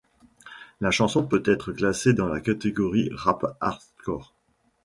La chanson peut être classée dans la catégorie rap hardcore.